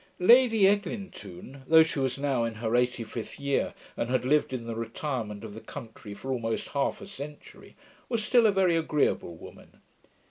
Lady Eglintoune, though she was now in her eighty fifth year, and had lived in the retirement of the country for almost half a century, was still a very agreeable woman.